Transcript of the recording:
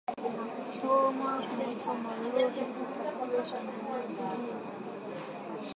na kuchoma moto malori sita katika shambulizi hilo kwa kutumia bunduki za rashasha na kurejea katika vituo vyao bila kuumia